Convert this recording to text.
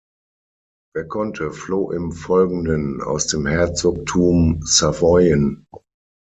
Wer konnte, floh im Folgenden aus dem Herzogtum Savoyen.